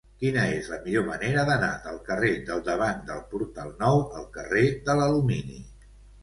Quina és la millor manera d'anar del carrer del Davant del Portal Nou al carrer de l'Alumini?